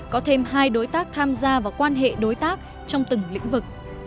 có thêm hai đối tác tham gia vào quan hệ đối tác trong từng lĩnh vực